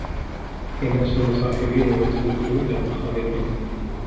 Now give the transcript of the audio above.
إينَاسُ الْمُصَاحِبِينَ وَالتَّوَدُّدُ إلَى الْمُخَالِطِينَ